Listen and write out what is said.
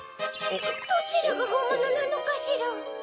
どちらがほんものなのかしら？